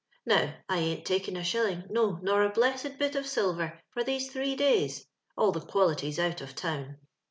Now, I ain't taken a shilling, no, nor a blessed bit of silver, for these three days. All the quality's out of town.